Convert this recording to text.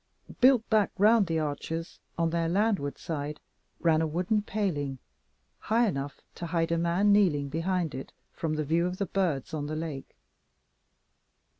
Built back round the arches, on their landward side, ran a wooden paling, high enough to hide a man kneeling behind it from the view of the birds on the lake.